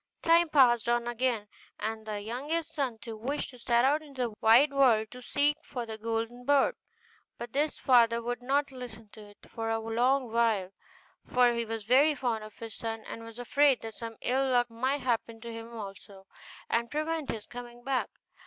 Time passed on again, and the youngest son too wished to set out into the wide world to seek for the golden bird; but his father would not listen to it for a long while, for he was very fond of his son, and was afraid that some ill luck might happen to him also, and prevent his coming back.